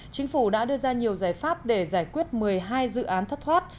chính phủ đã đưa ra nhiều giải pháp để giải quyết một mươi hai dự án thất thoát